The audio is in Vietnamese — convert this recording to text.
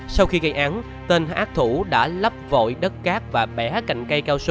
sau khi gây án tên ác thủ đã lấp vội đất cát và bẻ cạnh cây cao su